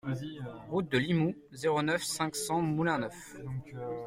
Route de Limoux, zéro neuf, cinq cents Moulin-Neuf